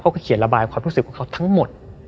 เขียนระบายความรู้สึกของเขาทั้งหมด